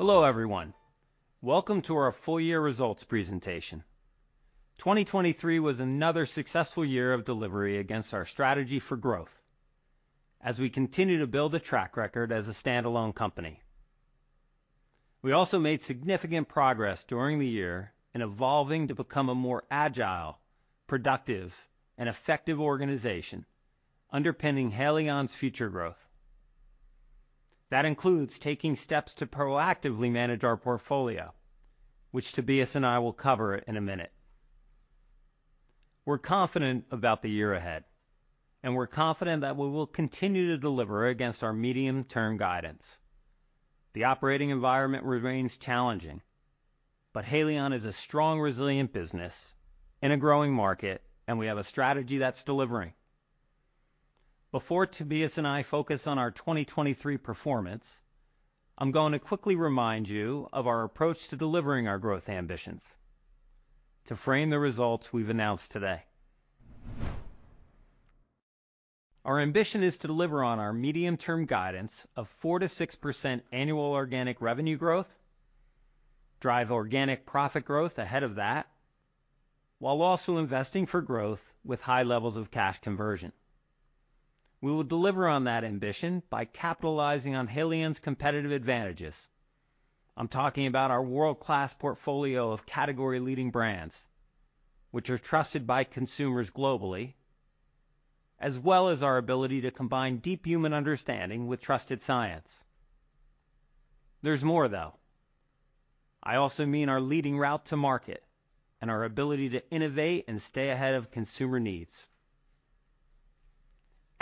Hello everyone. Welcome to our full-year results presentation. 2023 was another successful year of delivery against our strategy for growth, as we continue to build a track record as a standalone company. We also made significant progress during the year in evolving to become a more agile, productive, and effective organization, underpinning Haleon's future growth. That includes taking steps to proactively manage our portfolio, which Tobias and I will cover in a minute. We're confident about the year ahead, and we're confident that we will continue to deliver against our medium-term guidance. The operating environment remains challenging, but Haleon is a strong, resilient business in a growing market, and we have a strategy that's delivering. Before Tobias and I focus on our 2023 performance, I'm going to quickly remind you of our approach to delivering our growth ambitions, to frame the results we've announced today. Our ambition is to deliver on our medium-term guidance of 4%-6% annual organic revenue growth, drive organic profit growth ahead of that, while also investing for growth with high levels of cash conversion. We will deliver on that ambition by capitalizing on Haleon's competitive advantages. I'm talking about our world-class portfolio of category-leading brands, which are trusted by consumers globally, as well as our ability to combine deep human understanding with trusted science. There's more, though. I also mean our leading route to market and our ability to innovate and stay ahead of consumer needs.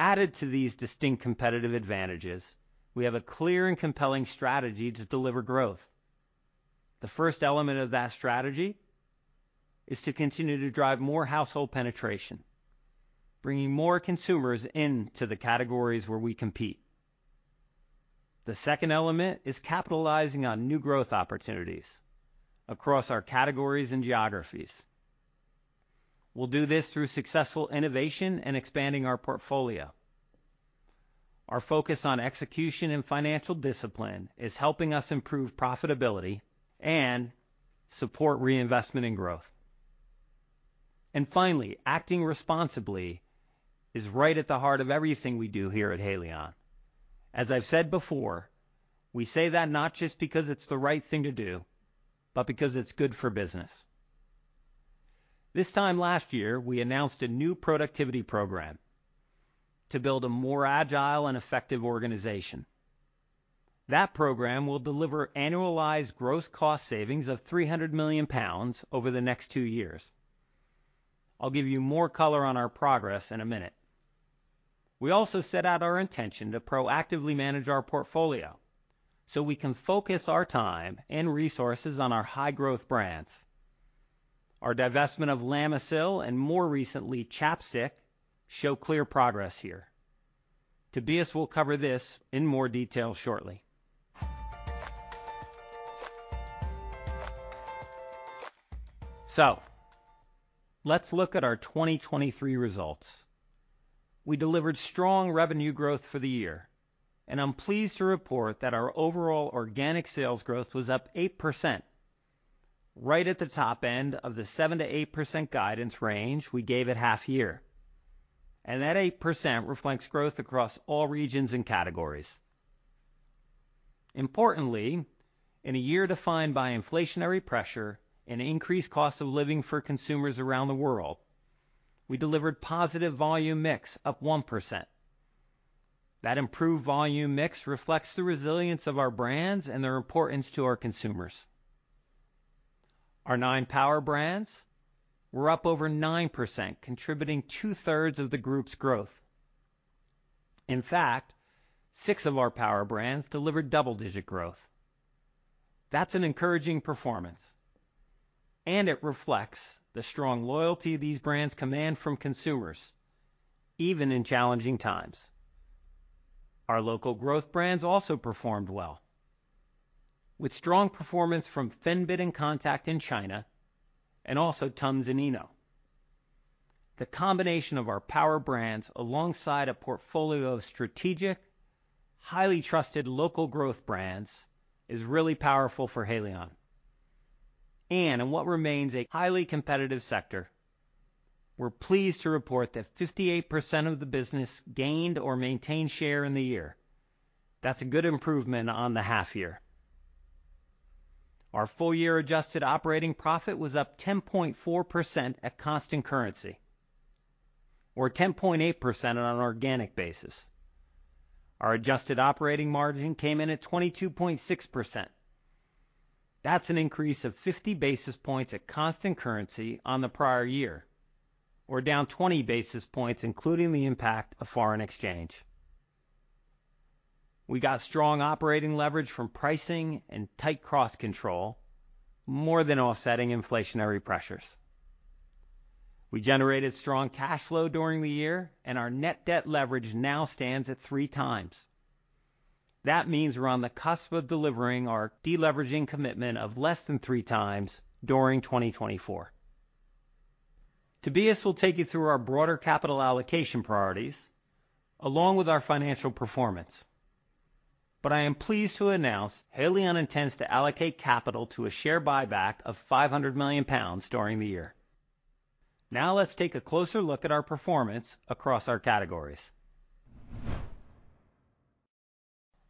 Added to these distinct competitive advantages, we have a clear and compelling strategy to deliver growth. The first element of that strategy is to continue to drive more household penetration, bringing more consumers into the categories where we compete. The second element is capitalizing on new growth opportunities across our categories and geographies. We'll do this through successful innovation and expanding our portfolio. Our focus on execution and financial discipline is helping us improve profitability and support reinvestment and growth. And finally, acting responsibly is right at the heart of everything we do here at Haleon. As I've said before, we say that not just because it's the right thing to do, but because it's good for business. This time last year, we announced a new productivity program to build a more agile and effective organization. That program will deliver annualized gross cost savings of 300 million pounds over the next two years. I'll give you more color on our progress in a minute. We also set out our intention to proactively manage our portfolio so we can focus our time and resources on our high-growth brands. Our divestment of Lamisil and, more recently, ChapStick show clear progress here. Tobias will cover this in more detail shortly. So, let's look at our 2023 results. We delivered strong revenue growth for the year, and I'm pleased to report that our overall organic sales growth was up 8%, right at the top end of the 7%-8% guidance range we gave at half-year. And that 8% reflects growth across all regions and categories. Importantly, in a year defined by inflationary pressure and increased cost of living for consumers around the world, we delivered positive volume mix up 1%. That improved volume mix reflects the resilience of our brands and their importance to our consumers. Our nine power brands? We're up over 9%, contributing 2/3 of the group's growth. In fact, six of our power brands delivered double-digit growth. That's an encouraging performance, and it reflects the strong loyalty these brands command from consumers, even in challenging times. Our local growth brands also performed well, with strong performance from Fenbid and Contac in China, and also TUMS and Eno. The combination of our power brands alongside a portfolio of strategic, highly trusted local growth brands is really powerful for Haleon. In what remains a highly competitive sector, we're pleased to report that 58% of the business gained or maintained share in the year. That's a good improvement on the half-year. Our full-year adjusted operating profit was up 10.4% at constant currency, or 10.8% on an organic basis. Our adjusted operating margin came in at 22.6%. That's an increase of 50 basis points at constant currency on the prior year, or down 20 basis points including the impact of foreign exchange. We got strong operating leverage from pricing and tight cost control, more than offsetting inflationary pressures. We generated strong cash flow during the year, and our net debt leverage now stands at three times. That means we're on the cusp of delivering our deleveraging commitment of less than three times during 2024. Tobias will take you through our broader capital allocation priorities, along with our financial performance. I am pleased to announce Haleon intends to allocate capital to a share buyback of 500 million pounds during the year. Now let's take a closer look at our performance across our categories.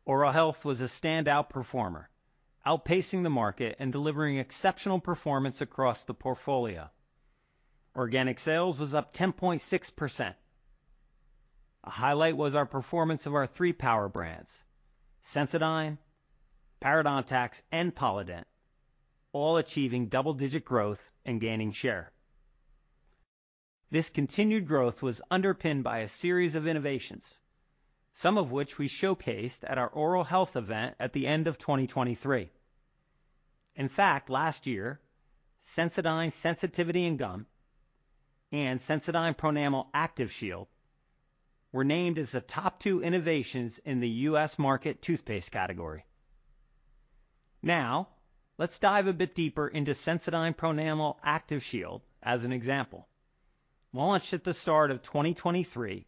Oral Health was a standout performer, outpacing the market and delivering exceptional performance across the portfolio. Organic sales was up 10.6%. A highlight was our performance of our three power brands: Sensodyne, Parodontax, and Polident, all achieving double-digit growth and gaining share. This continued growth was underpinned by a series of innovations, some of which we showcased at our oral health event at the end of 2023. In fact, last year, Sensodyne Sensitivity & Gum and Sensodyne Pronamel Active Shield were named as the top two innovations in the U.S. market toothpaste category. Now, let's dive a bit deeper into Sensodyne Pronamel Active Shield as an example. Launched at the start of 2023,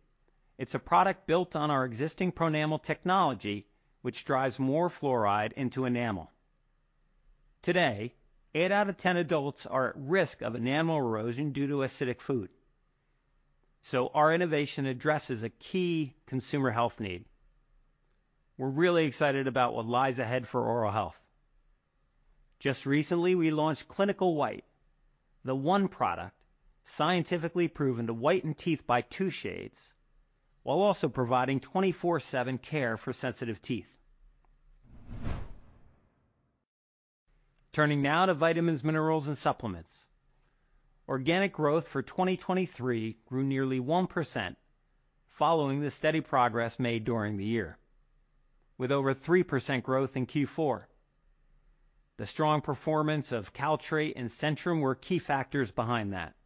it's a product built on our existing Pronamel technology, which drives more fluoride into enamel. Today, eight out of 10 adults are at risk of enamel erosion due to acidic food, so our innovation addresses a key consumer health need. We're really excited about what lies ahead for oral health. Just recently, we launched Clinical White, the one product scientifically proven to whiten teeth by two shades, while also providing 24/7 care for sensitive teeth. Turning now to vitamins, minerals, and supplements. Organic growth for 2023 grew nearly 1% following the steady progress made during the year, with over 3% growth in Q4. The strong performance of Caltrate and Centrum were key factors behind that.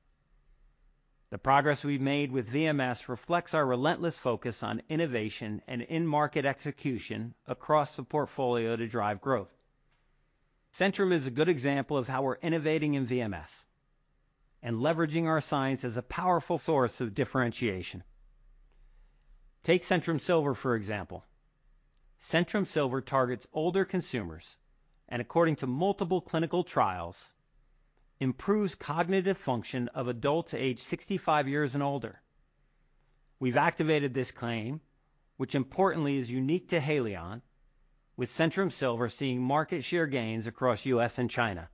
The progress we've made with VMS reflects our relentless focus on innovation and in-market execution across the portfolio to drive growth. Centrum is a good example of how we're innovating in VMS and leveraging our science as a powerful source of differentiation. Take Centrum Silver, for example. Centrum Silver targets older consumers and, according to multiple clinical trials, improves cognitive function of adults age 65 years and older. We've activated this claim, which importantly is unique to Haleon, with Centrum Silver seeing market share gains across U.S. and China.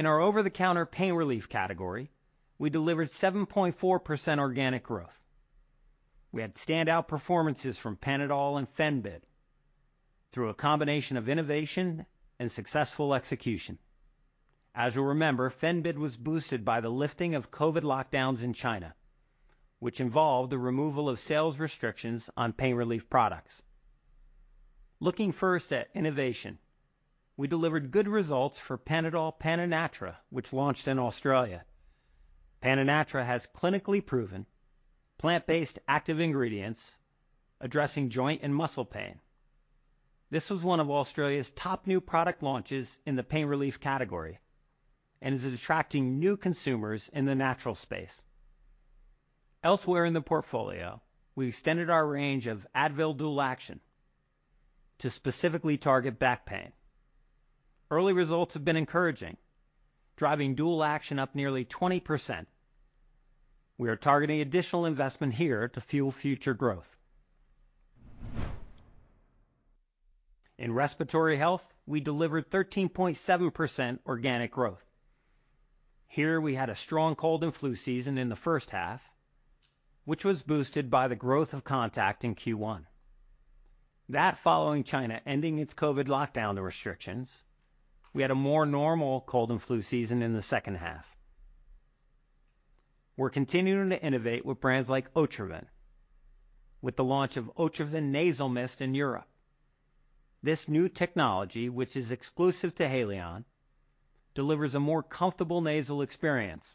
In our over-the-counter pain relief category, we delivered 7.4% organic growth. We had standout performances from Panadol and Fenbid through a combination of innovation and successful execution. As you'll remember, Fenbid was boosted by the lifting of COVID lockdowns in China, which involved the removal of sales restrictions on pain relief products. Looking first at innovation, we delivered good results for Panadol PanaNatra, which launched in Australia. PanaNatra has clinically proven plant-based active ingredients addressing joint and muscle pain. This was one of Australia's top new product launches in the pain relief category and is attracting new consumers in the natural space. Elsewhere in the portfolio, we extended our range of Advil Dual Action to specifically target back pain. Early results have been encouraging, driving Dual Action up nearly 20%. We are targeting additional investment here to fuel future growth. In respiratory health, we delivered 13.7% organic growth. Here, we had a strong cold and flu season in the first half, which was boosted by the growth of Contac in Q1. That, following China ending its COVID lockdown restrictions, we had a more normal cold and flu season in the second half. We're continuing to innovate with brands like Otrivin, with the launch of Otrivin Nasal Mist in Europe. This new technology, which is exclusive to Haleon, delivers a more comfortable nasal experience.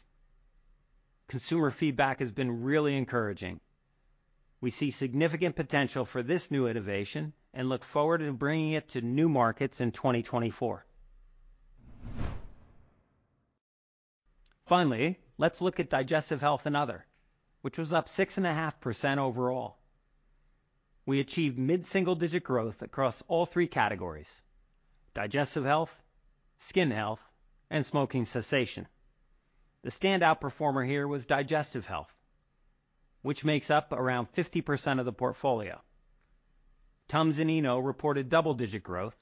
Consumer feedback has been really encouraging. We see significant potential for this new innovation and look forward to bringing it to new markets in 2024. Finally, let's look at Digestive Health & Other, which was up 6.5% overall. We achieved mid-single-digit growth across all three categories: digestive health, skin health, and smoking cessation. The standout performer here was Digestive Health, which makes up around 50% of the portfolio. TUMS and Eno reported double-digit growth,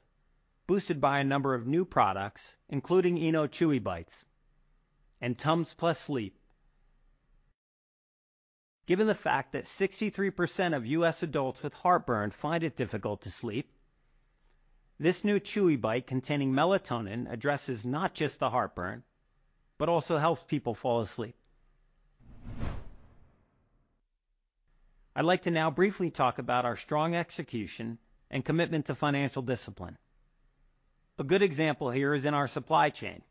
boosted by a number of new products, including Eno Chewy Bites and TUMS Plus Sleep. Given the fact that 63% of U.S. adults with heartburn find it difficult to sleep, this new chewy bite containing melatonin addresses not just the heartburn, but also helps people fall asleep. I'd like to now briefly talk about our strong execution and commitment to financial discipline. A good example here is in our supply chain,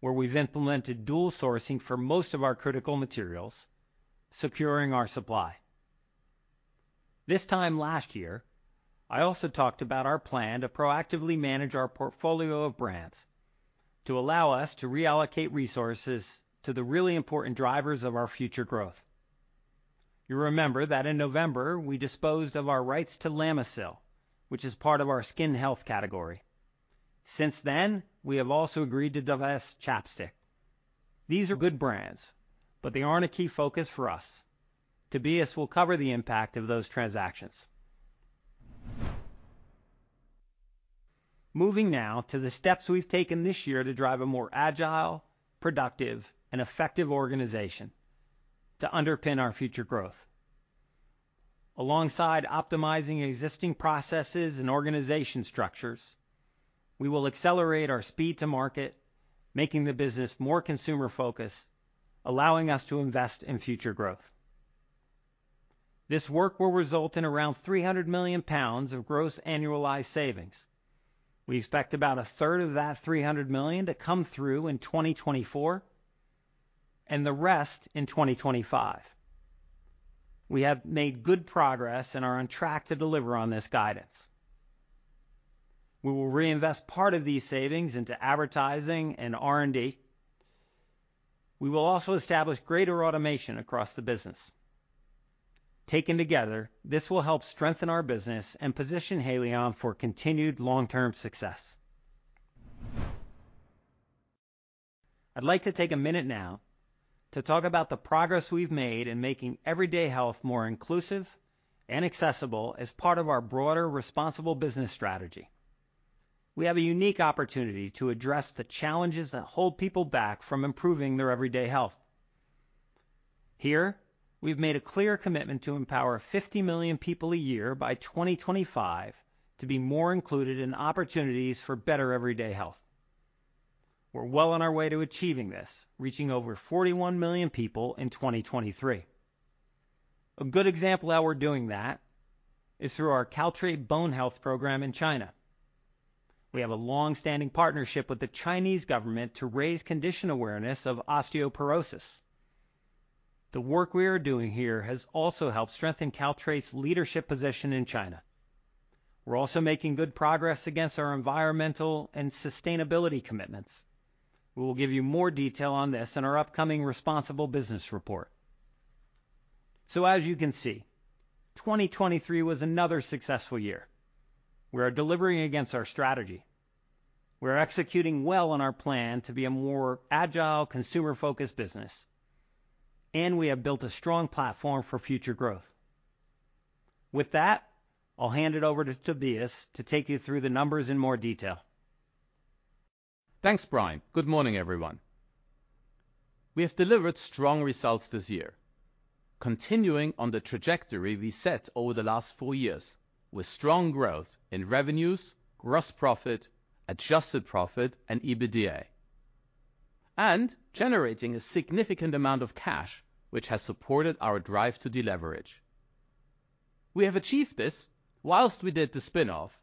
where we've implemented dual sourcing for most of our critical materials, securing our supply. This time last year, I also talked about our plan to proactively manage our portfolio of brands to allow us to reallocate resources to the really important drivers of our future growth. You'll remember that in November, we disposed of our rights to Lamisil, which is part of our skin health category. Since then, we have also agreed to divest ChapStick. These are good brands, but they aren't a key focus for us. Tobias will cover the impact of those transactions. Moving now to the steps we've taken this year to drive a more agile, productive, and effective organization to underpin our future growth. Alongside optimizing existing processes and organization structures, we will accelerate our speed to market, making the business more consumer-focused, allowing us to invest in future growth. This work will result in around 300 million pounds of gross annualized savings. We expect about a third of that 300 million to come through in 2024 and the rest in 2025. We have made good progress and are on track to deliver on this guidance. We will reinvest part of these savings into advertising and R&D. We will also establish greater automation across the business. Taken together, this will help strengthen our business and position Haleon for continued long-term success. I'd like to take a minute now to talk about the progress we've made in making everyday health more inclusive and accessible as part of our broader responsible business strategy. We have a unique opportunity to address the challenges that hold people back from improving their everyday health. Here, we've made a clear commitment to empower 50 million people a year by 2025 to be more included in opportunities for better everyday health. We're well on our way to achieving this, reaching over 41 million people in 2023. A good example of how we're doing that is through our Caltrate Bone Health program in China. We have a longstanding partnership with the Chinese government to raise condition awareness of osteoporosis. The work we are doing here has also helped strengthen Caltrate's leadership position in China. We're also making good progress against our environmental and sustainability commitments. We will give you more detail on this in our upcoming Responsible Business report. So, as you can see, 2023 was another successful year. We are delivering against our strategy. We are executing well on our plan to be a more agile, consumer-focused business, and we have built a strong platform for future growth. With that, I'll hand it over to Tobias to take you through the numbers in more detail. Thanks, Brian. Good morning, everyone. We have delivered strong results this year, continuing on the trajectory we set over the last four years, with strong growth in revenues, gross profit, adjusted profit, and EBITDA, and generating a significant amount of cash, which has supported our drive to deleverage. We have achieved this while we did the spin-off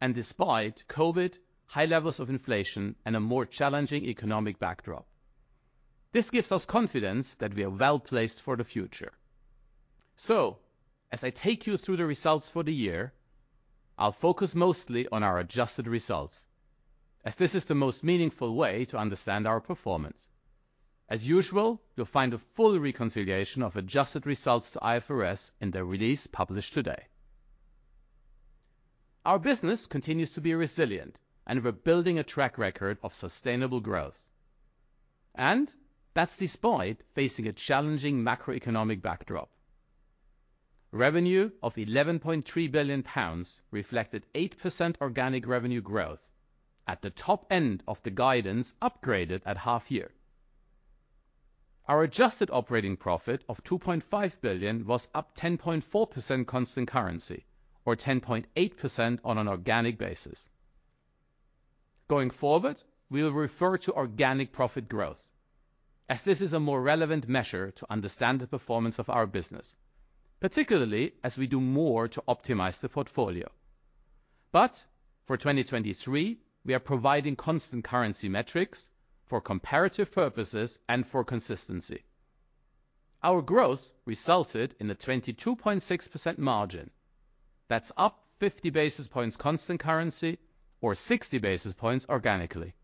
and despite COVID, high levels of inflation, and a more challenging economic backdrop. This gives us confidence that we are well placed for the future. So, as I take you through the results for the year, I'll focus mostly on our adjusted results, as this is the most meaningful way to understand our performance. As usual, you'll find a full reconciliation of adjusted results to IFRS in the release published today. Our business continues to be resilient, and we're building a track record of sustainable growth, and that's despite facing a challenging macroeconomic backdrop. Revenue of 11.3 billion pounds reflected 8% organic revenue growth at the top end of the guidance upgraded at half-year. Our adjusted operating profit of 2.5 billion was up 10.4% constant currency, or 10.8% on an organic basis. Going forward, we will refer to organic profit growth, as this is a more relevant measure to understand the performance of our business, particularly as we do more to optimize the portfolio. But for 2023, we are providing constant currency metrics for comparative purposes and for consistency. Our growth resulted in a 22.6% margin. That's up 50 basis points constant currency, or 60 basis points organically.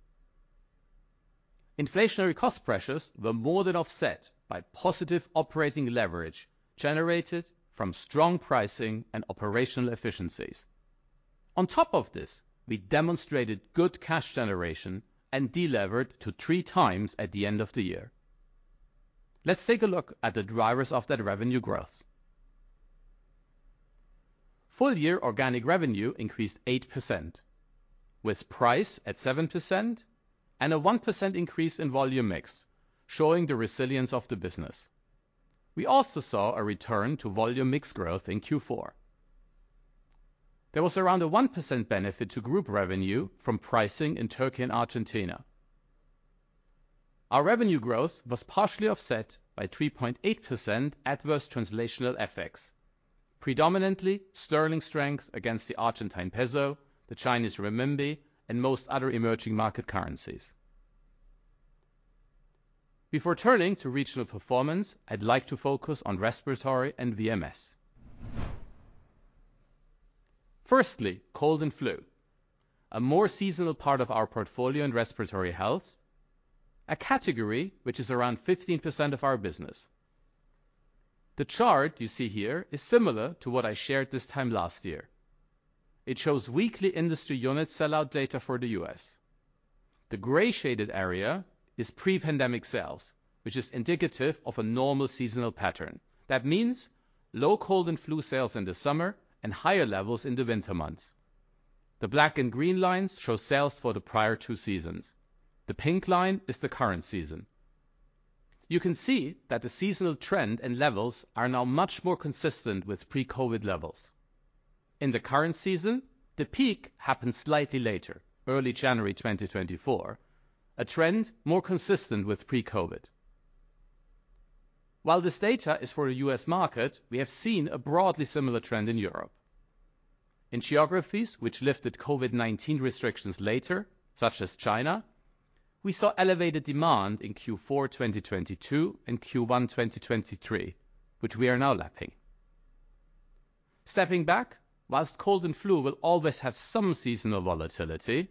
Inflationary cost pressures were more than offset by positive operating leverage generated from strong pricing and operational efficiencies. On top of this, we demonstrated good cash generation and delevered to three times at the end of the year. Let's take a look at the drivers of that revenue growth. Full-year organic revenue increased 8%, with price at 7% and a 1% increase in volume mix, showing the resilience of the business. We also saw a return to volume mix growth in Q4. There was around a 1% benefit to group revenue from pricing in Turkey and Argentina. Our revenue growth was partially offset by 3.8% adverse translational effects, predominantly sterling strength against the Argentine peso, the Chinese renminbi, and most other emerging market currencies. Before turning to regional performance, I'd like to focus on respiratory and VMS. Firstly, cold and flu, a more seasonal part of our portfolio in respiratory health, a category which is around 15% of our business. The chart you see here is similar to what I shared this time last year. It shows weekly industry unit sellout data for the U.S. The gray-shaded area is pre-pandemic sales, which is indicative of a normal seasonal pattern. That means low cold and flu sales in the summer and higher levels in the winter months. The black and green lines show sales for the prior two seasons. The pink line is the current season. You can see that the seasonal trend and levels are now much more consistent with pre-COVID levels. In the current season, the peak happened slightly later, early January 2024, a trend more consistent with pre-COVID. While this data is for the U.S. market, we have seen a broadly similar trend in Europe. In geographies which lifted COVID-19 restrictions later, such as China, we saw elevated demand in Q4 2022 and Q1 2023, which we are now lapping. Stepping back, while cold and flu will always have some seasonal volatility,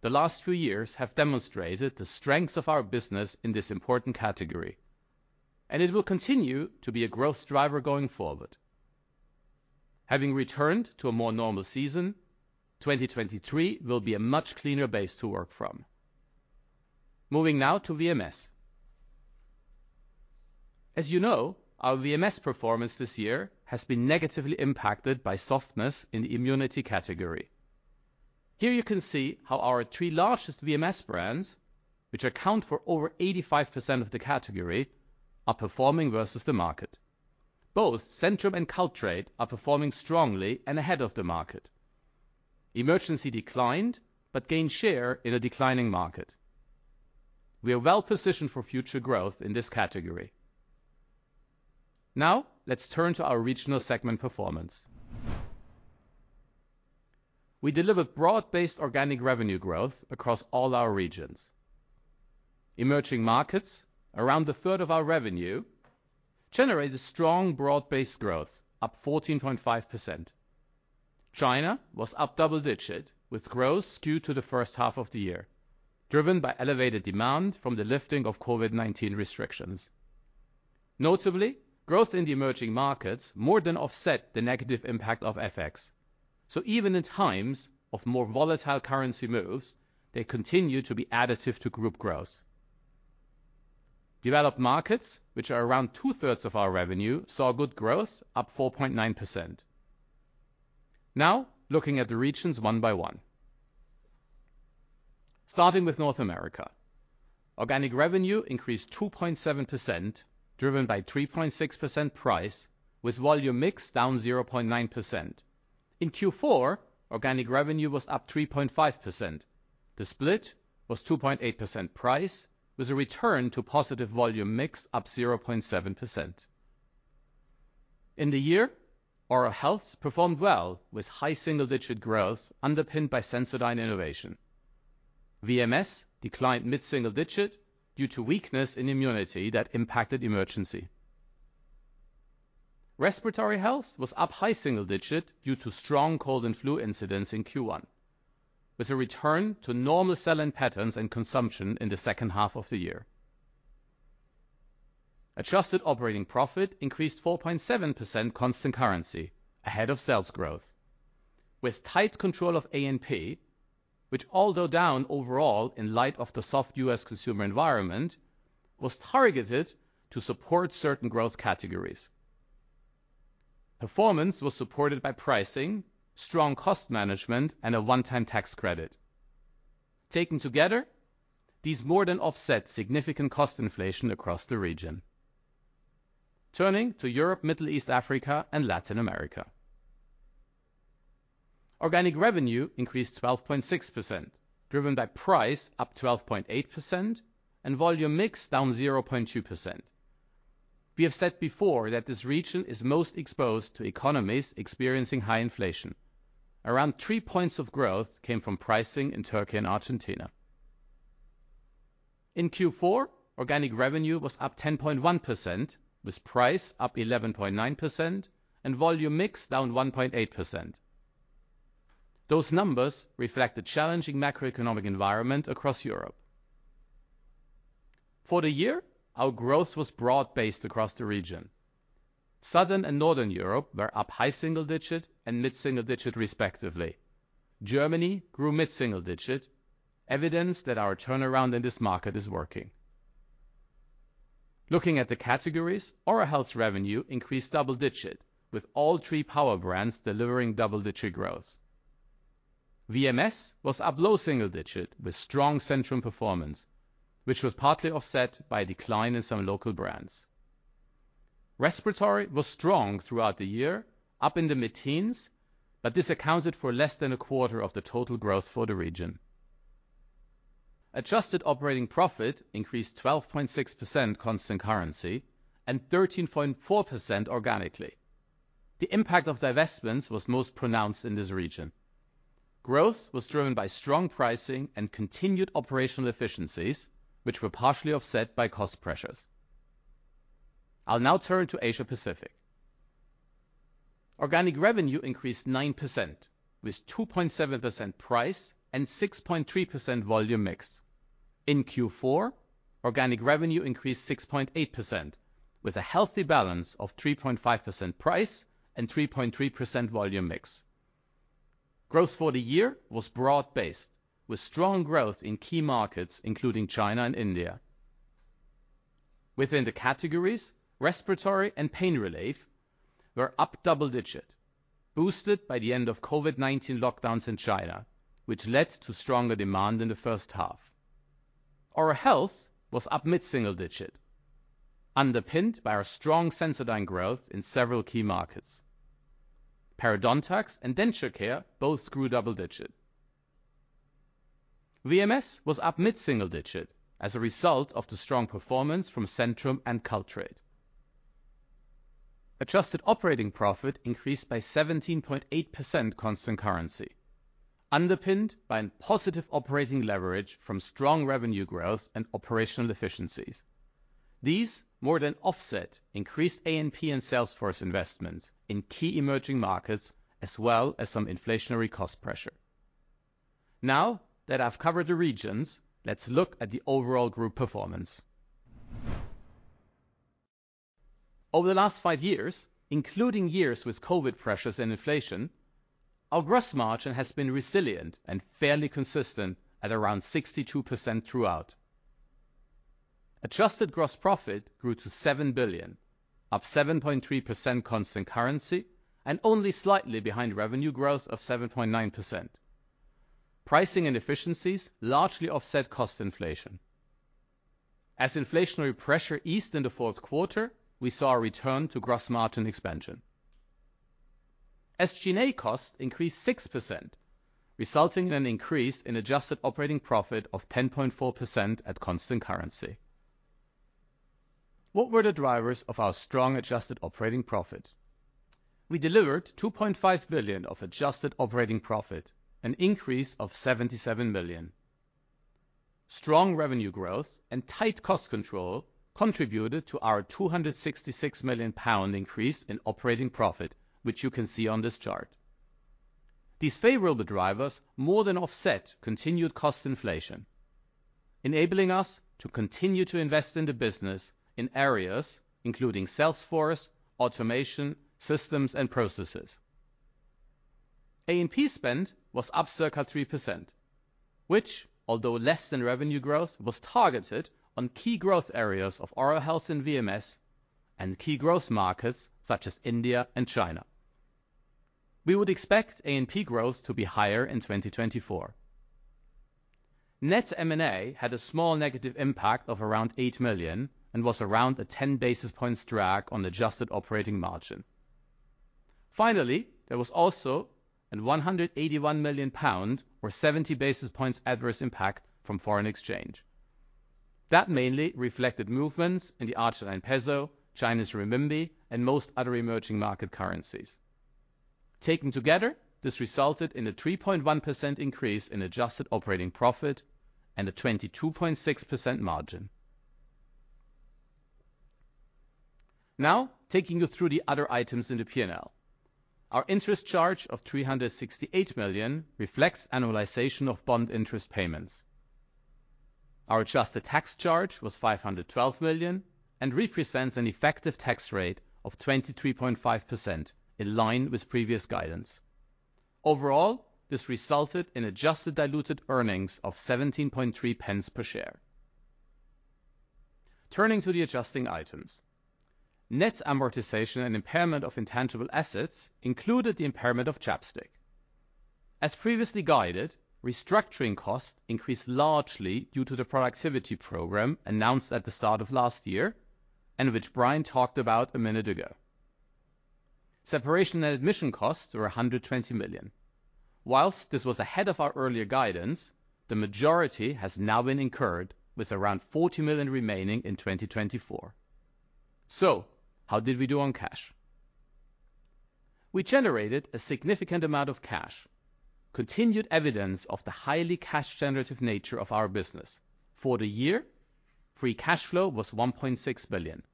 the last few years have demonstrated the strength of our business in this important category, and it will continue to be a growth driver going forward. Having returned to a more normal season, 2023 will be a much cleaner base to work from. Moving now to VMS. As you know, our VMS performance this year has been negatively impacted by softness in the immunity category. Here you can see how our three largest VMS brands, which account for over 85% of the category, are performing versus the market. Both Centrum and Caltrate are performing strongly and ahead of the market. Emergen-C declined but gained share in a declining market. We are well positioned for future growth in this category. Now, let's turn to our regional segment performance. We delivered broad-based organic revenue growth across all our regions. Emerging markets, around a third of our revenue, generated strong broad-based growth, up 14.5%. China was up double-digit with growth skewed to the first half of the year, driven by elevated demand from the lifting of COVID-19 restrictions. Notably, growth in the emerging markets more than offset the negative impact of FX, so even in times of more volatile currency moves, they continue to be additive to group growth. Developed markets, which are around 2/3 of our revenue, saw good growth, up 4.9%. Now, looking at the regions one by one. Starting with North America, organic revenue increased 2.7%, driven by 3.6% price, with volume mix down 0.9%. In Q4, organic revenue was up 3.5%. The split was 2.8% price, with a return to positive volume mix up 0.7%. In the year, Oral Health performed well, with high single-digit growth underpinned by Sensodyne innovation. VMS declined mid-single digit due to weakness in immunity that impacted Emergen-C. Respiratory health was up high single digit due to strong cold and flu incidents in Q1, with a return to normal sell-in patterns and consumption in the second half of the year. Adjusted operating profit increased 4.7% constant currency, ahead of sales growth, with tight control of A&P, which, although down overall in light of the soft U.S. consumer environment, was targeted to support certain growth categories. Performance was supported by pricing, strong cost management, and a one-time tax credit. Taken together, these more than offset significant cost inflation across the region. Turning to Europe, Middle East, Africa, and Latin America. Organic revenue increased 12.6%, driven by price, up 12.8%, and volume mix down 0.2%. We have said before that this region is most exposed to economies experiencing high inflation. Around three points of growth came from pricing in Turkey and Argentina. In Q4, organic revenue was up 10.1%, with price up 11.9% and volume mix down 1.8%. Those numbers reflect the challenging macroeconomic environment across Europe. For the year, our growth was broad-based across the region. Southern and Northern Europe were up high single digit and mid-single digit, respectively. Germany grew mid-single digit, evidence that our turnaround in this market is working. Looking at the categories, Oral Health revenue increased double-digit, with all three power brands delivering double-digit growth. VMS was up low single digit with strong Centrum performance, which was partly offset by a decline in some local brands. Respiratory was strong throughout the year, up in the mid-teens, but this accounted for less than a quarter of the total growth for the region. Adjusted Operating Profit increased 12.6% Constant Currency and 13.4% organically. The impact of divestments was most pronounced in this region. Growth was driven by strong pricing and continued operational efficiencies, which were partially offset by cost pressures. I'll now turn to Asia-Pacific. Organic revenue increased 9%, with 2.7% price and 6.3% Volume Mix. In Q4, organic revenue increased 6.8%, with a healthy balance of 3.5% price and 3.3% Volume Mix. Growth for the year was broad-based, with strong growth in key markets including China and India. Within the categories, respiratory and pain relief were up double-digit, boosted by the end of COVID-19 lockdowns in China, which led to stronger demand in the first half. Oral Health was up mid-single digit, underpinned by our strong Sensodyne growth in several key markets. Parodontax and denture care both grew double-digit. VMS was up mid-single digit as a result of the strong performance from Centrum and Caltrate. Adjusted operating profit increased by 17.8% constant currency, underpinned by positive operating leverage from strong revenue growth and operational efficiencies. These more than offset increased A&P and sales force investments in key emerging markets, as well as some inflationary cost pressure. Now that I've covered the regions, let's look at the overall group performance. Over the last five years, including years with COVID pressures and inflation, our gross margin has been resilient and fairly consistent at around 62% throughout. Adjusted gross profit grew to 7 billion, up 7.3% constant currency and only slightly behind revenue growth of 7.9%. Pricing and efficiencies largely offset cost inflation. As inflationary pressure eased in the fourth quarter, we saw a return to gross margin expansion. SG&A cost increased 6%, resulting in an increase in adjusted operating profit of 10.4% at constant currency. What were the drivers of our strong adjusted operating profit? We delivered 2.5 billion of adjusted operating profit, an increase of 77 million. Strong revenue growth and tight cost control contributed to our 266 million pound increase in operating profit, which you can see on this chart. These favorable drivers more than offset continued cost inflation, enabling us to continue to invest in the business in areas including sales force, automation, systems, and processes. A&P spend was up circa 3%, which, although less than revenue growth, was targeted on key growth areas of Oral Health in VMS and key growth markets such as India and China. We would expect A&P growth to be higher in 2024. Net M&A had a small negative impact of around 8 million and was around a 10 basis points drag on adjusted operating margin. Finally, there was also a 181 million pound or 70 basis points adverse impact from foreign exchange. That mainly reflected movements in the Argentine peso, Chinese renminbi, and most other emerging market currencies. Taken together, this resulted in a 3.1% increase in adjusted operating profit and a 22.6% margin. Now, taking you through the other items in the P&L. Our interest charge of 368 million reflects annualization of bond interest payments. Our adjusted tax charge was 512 million and represents an effective tax rate of 23.5% in line with previous guidance. Overall, this resulted in adjusted diluted earnings of 0.173 per share. Turning to the adjusting items. Net amortization and impairment of intangible assets included the impairment of ChapStick. As previously guided, restructuring cost increased largely due to the productivity program announced at the start of last year, and which Brian talked about a minute ago. Separation and admission costs were 120 million. While this was ahead of our earlier guidance, the majority has now been incurred, with around 40 million remaining in 2024. So how did we do on cash? We generated a significant amount of cash, continued evidence of the highly cash-generative nature of our business. For the year, free cash flow was 1.6 billion.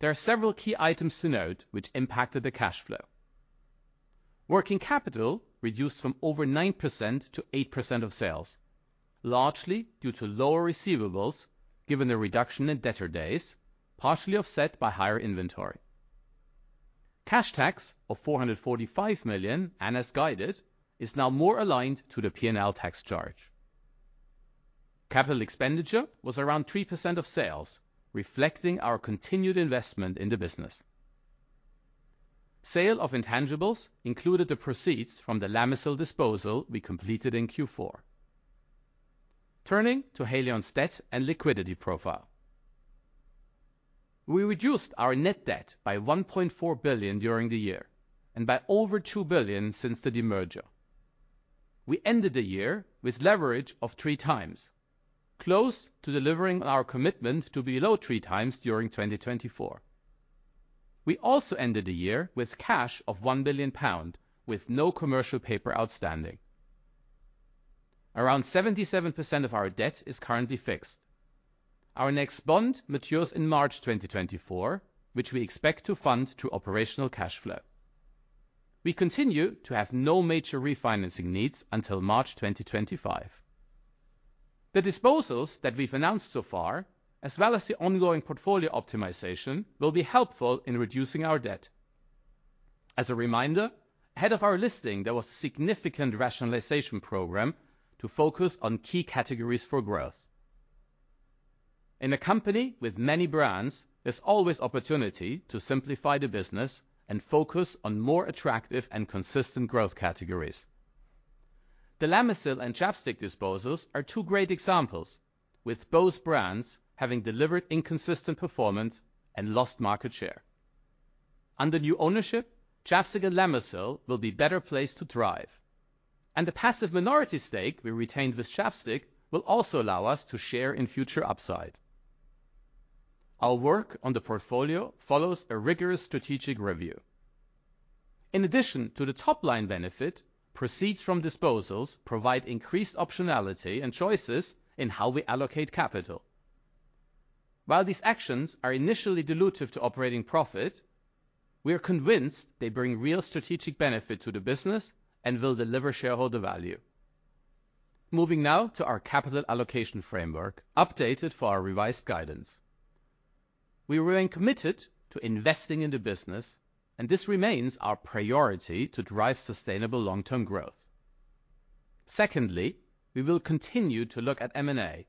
There are several key items to note which impacted the cash flow. Working capital reduced from over 9% to 8% of sales, largely due to lower receivables given the reduction in debtor days, partially offset by higher inventory. Cash tax of 445 million, and as guided, is now more aligned to the P&L tax charge. Capital expenditure was around 3% of sales, reflecting our continued investment in the business. Sale of intangibles included the proceeds from the Lamisil disposal we completed in Q4. Turning to Haleon's debt and liquidity profile. We reduced our net debt by 1.4 billion during the year and by over 2 billion since the demerger. We ended the year with leverage of 3x, close to delivering our commitment to be below 3x during 2024. We also ended the year with cash of 1 billion pound, with no commercial paper outstanding. Around 77% of our debt is currently fixed. Our next bond matures in March 2024, which we expect to fund through operational cash flow. We continue to have no major refinancing needs until March 2025. The disposals that we've announced so far, as well as the ongoing portfolio optimization, will be helpful in reducing our debt. As a reminder, ahead of our listing, there was a significant rationalization program to focus on key categories for growth. In a company with many brands, there's always opportunity to simplify the business and focus on more attractive and consistent growth categories. The Lamisil and ChapStick disposals are two great examples, with both brands having delivered inconsistent performance and lost market share. Under new ownership, ChapStick and Lamisil will be better placed to thrive, and the passive minority stake we retained with ChapStick will also allow us to share in future upside. Our work on the portfolio follows a rigorous strategic review. In addition to the top-line benefit, proceeds from disposals provide increased optionality and choices in how we allocate capital. While these actions are initially dilutive to operating profit, we are convinced they bring real strategic benefit to the business and will deliver shareholder value. Moving now to our capital allocation framework, updated for our revised guidance. We remain committed to investing in the business, and this remains our priority to drive sustainable long-term growth. Secondly, we will continue to look at M&A,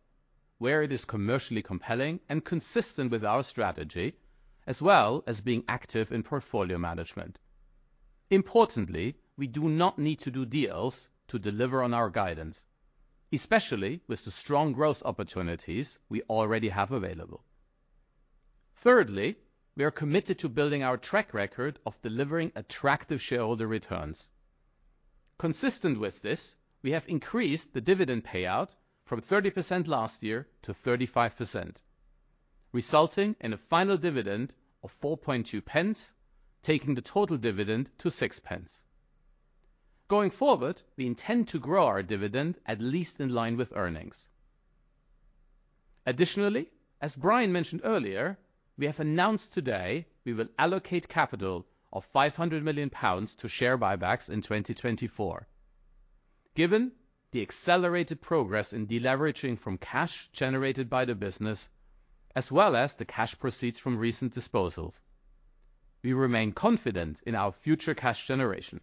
where it is commercially compelling and consistent with our strategy, as well as being active in portfolio management. Importantly, we do not need to do deals to deliver on our guidance, especially with the strong growth opportunities we already have available. Thirdly, we are committed to building our track record of delivering attractive shareholder returns. Consistent with this, we have increased the dividend payout from 30% last year to 35%, resulting in a final dividend of 0.042, taking the total dividend to 0.06. Going forward, we intend to grow our dividend at least in line with earnings. Additionally, as Brian mentioned earlier, we have announced today we will allocate capital of 500 million pounds to share buybacks in 2024. Given the accelerated progress in deleveraging from cash generated by the business, as well as the cash proceeds from recent disposals, we remain confident in our future cash generation.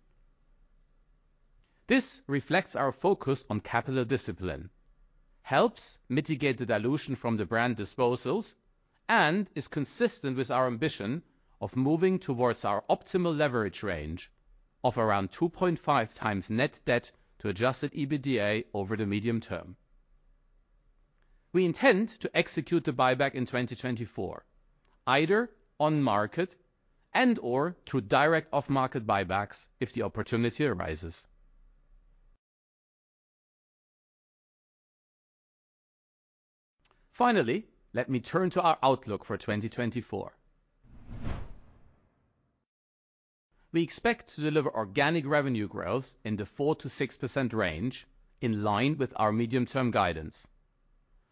This reflects our focus on capital discipline, helps mitigate the dilution from the brand disposals, and is consistent with our ambition of moving towards our optimal leverage range of around 2.5 times net debt to adjusted EBITDA over the medium term. We intend to execute the buyback in 2024, either on market and/or through direct off-market buybacks if the opportunity arises. Finally, let me turn to our outlook for 2024. We expect to deliver organic revenue growth in the 4%-6% range in line with our medium-term guidance.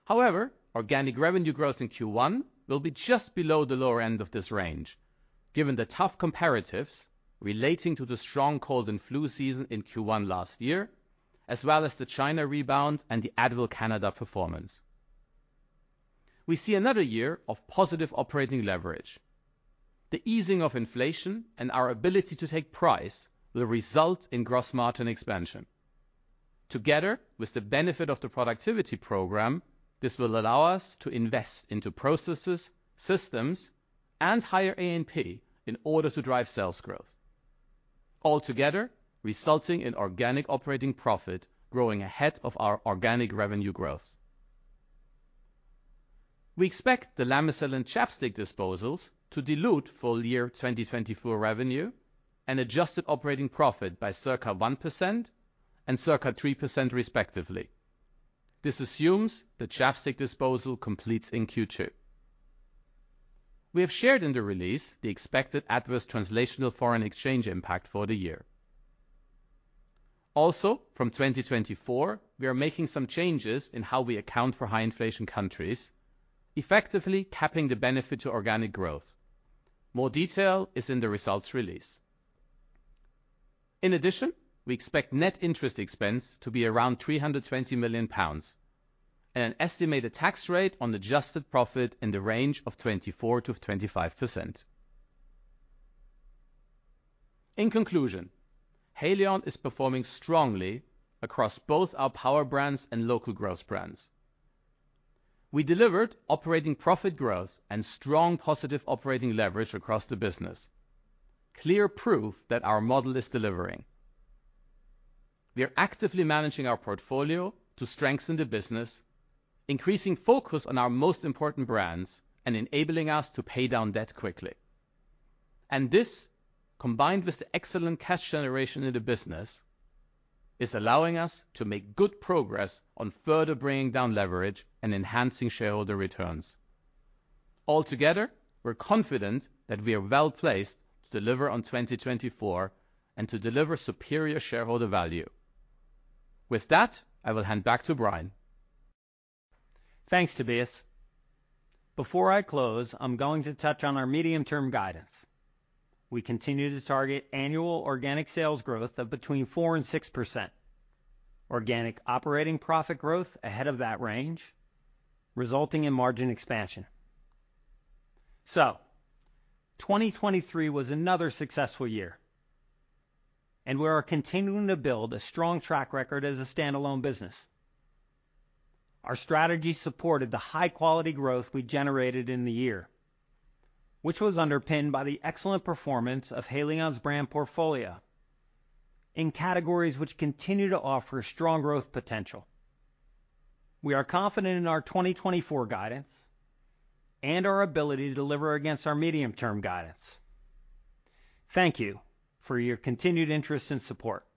However, organic revenue growth in Q1 will be just below the lower end of this range, given the tough comparatives relating to the strong cold and flu season in Q1 last year, as well as the China rebound and the Advil Canada performance. We see another year of positive operating leverage. The easing of inflation and our ability to take price will result in gross margin expansion. Together with the benefit of the productivity program, this will allow us to invest into processes, systems, and higher A&P in order to drive sales growth, altogether resulting in organic operating profit growing ahead of our organic revenue growth. We expect the Lamisil and ChapStick disposals to dilute for year 2024 revenue and adjusted operating profit by circa 1% and circa 3% respectively. This assumes the ChapStick disposal completes in Q2. We have shared in the release the expected adverse translational foreign exchange impact for the year. Also, from 2024, we are making some changes in how we account for high inflation countries, effectively capping the benefit to organic growth. More detail is in the results release. In addition, we expect net interest expense to be around 320 million pounds and an estimated tax rate on adjusted profit in the range of 24%-25%. In conclusion, Haleon is performing strongly across both our power brands and local growth brands. We delivered operating profit growth and strong positive operating leverage across the business, clear proof that our model is delivering. We are actively managing our portfolio to strengthen the business, increasing focus on our most important brands, and enabling us to pay down debt quickly. And this, combined with the excellent cash generation in the business, is allowing us to make good progress on further bringing down leverage and enhancing shareholder returns. Altogether, we're confident that we are well placed to deliver on 2024 and to deliver superior shareholder value. With that, I will hand back to Brian. Thanks, Tobias. Before I close, I'm going to touch on our medium-term guidance. We continue to target annual organic sales growth of between 4%-6%, organic operating profit growth ahead of that range, resulting in margin expansion. So 2023 was another successful year, and we are continuing to build a strong track record as a standalone business. Our strategy supported the high-quality growth we generated in the year, which was underpinned by the excellent performance of Haleon's brand portfolio in categories which continue to offer strong growth potential. We are confident in our 2024 guidance and our ability to deliver against our medium-term guidance. Thank you for your continued interest and support.